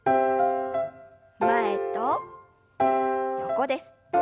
前と横です。